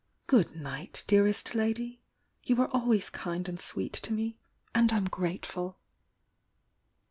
Good night, dearest lady! You are always kind and sweet to me — and I'm grateful!"